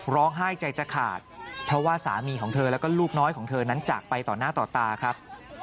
ร้องไห้ใจจะขาดเพราะว่าสามีของเธอแล้วก็ลูกน้อยของเธอนั้นจากไปต่อหน้าต่อตาครับ